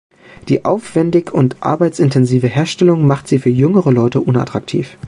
Die aufwändig und arbeitsintensive Herstellung macht sie für jüngere Leute unattraktiv.